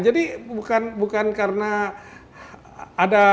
jadi bukan karena ada